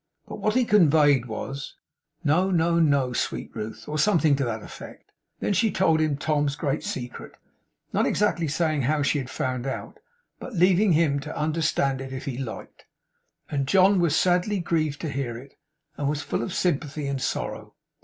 But what he conveyed was, No no no, sweet Ruth; or something to that effect. Then she told him Tom's great secret; not exactly saying how she had found it out, but leaving him to understand it if he liked; and John was sadly grieved to hear it, and was full of sympathy and sorrow.